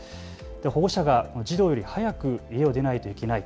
保護者が児童より早く家を出なければならない。